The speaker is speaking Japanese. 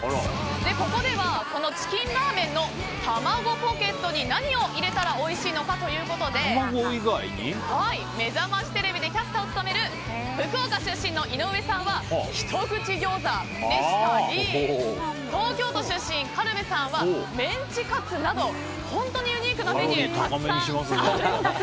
ここではチキンラーメンのたまごポケットに何を入れたらおいしいのかということで「めざましテレビ」でキャスターを務める福岡出身の井上さんはひと口ギョーザでしたり東京都出身、軽部さんはメンチカツなど本当にユニークなメニューたくさんあるんです。